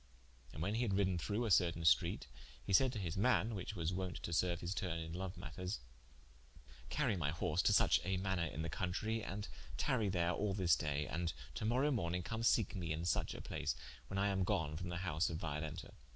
And when he had riden through a certain streat, he said to his man, which was wonte to serue his tourne in loue matters: "Carie my horse to such a manour in the countrie, and tarrie there all this day, and to morowe morning come seeke mee in suche a place, when I am gone from the house of Violenta.